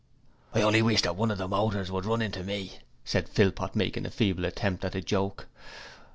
'I only wish as one of their motors would run inter me,' said Philpot, making a feeble attempt at a joke.